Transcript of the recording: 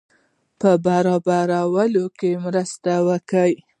په برابرولو کې مرسته وکړي.